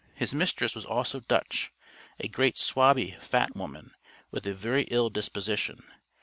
His mistress was also "Dutch," a "great swabby, fat woman," with a very ill disposition.